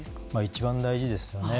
一番大事ですよね。